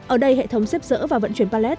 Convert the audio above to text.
ở đây hệ thống xếp dỡ và vận chuyển palet